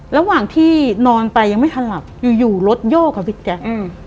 ระหว่างที่นอนไปยังไม่ทันหลับอยู่อยู่รถโยกอะพี่แจ๊ค